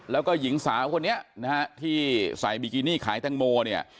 แล้วก็หญิงสาวคนนี้นะฮะที่ใส่บิกินี่ขายแตงโมเนี่ย